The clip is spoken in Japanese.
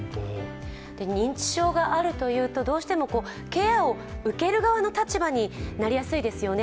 認知症があるというと、どうしても、ケアを受ける側の立場になりやすいですよね